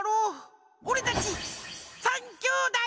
おれたち３きょうだい！